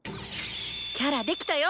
キャラできたよ！